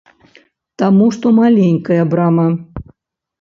Таму што маленькая брама!